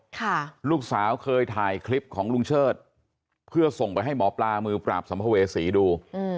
ค่ะลูกสาวเคยถ่ายคลิปของลุงเชิดเพื่อส่งไปให้หมอปลามือปราบสัมภเวษีดูอืม